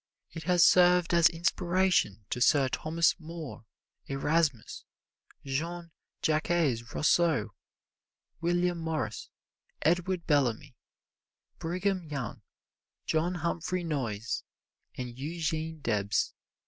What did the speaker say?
It has served as inspiration to Sir Thomas More, Erasmus, Jean Jacques Rousseau, William Morris, Edward Bellamy, Brigham Young, John Humphrey Noyes and Eugene Debs.